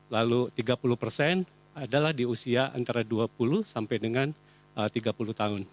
lalu tiga puluh persen adalah di usia antara dua puluh sampai dengan tiga puluh tahun